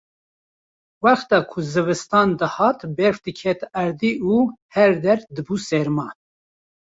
Wexta ku zivistan dihat berf diket erdê û her der dibû serma